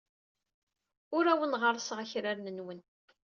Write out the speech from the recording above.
Ur awen-ɣerrseɣ akraren-nwen.